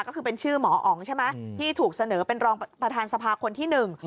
ก็คือเป็นชื่อหมออ๋องใช่ไหมที่ถูกเสนอเป็นรองประธานสภาคนที่หนึ่ง